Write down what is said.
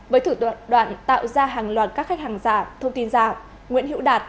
với thử đoạn tạo ra hàng loạt các khách hàng giả thông tin giả nguyễn hữu đạt